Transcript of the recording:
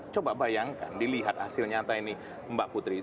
coba bayangkan dilihat hasil nyata ini mbak putri